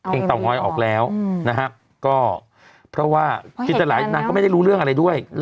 เพลงเต๋อง้อยออกแล้วนะฮะก็เพราะว่านังก็ไม่ได้รู้เรื่องอะไรด้วย